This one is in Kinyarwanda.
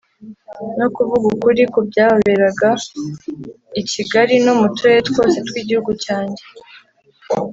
no kuvuga ukuri ku byaberaga i kigali no mu turere twose tw'igihugu cyanjye